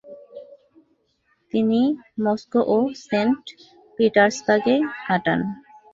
তিনি মস্কো ও সেন্ট পিটার্সবার্গে কাটান।